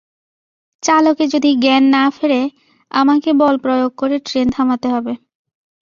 চালকের যদি জ্ঞান না ফেরে, আমাকে বল প্রয়োগ করে ট্রেন থামাতে হবে।